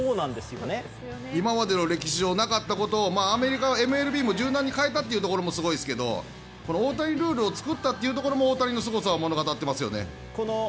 今までの歴史上なかったことをアメリカＭＬＢも柔軟に変えたのもすごいですけど大谷ルールを作ったことが大谷のすごさを物語ってますね。